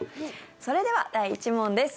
それでは、第１問です。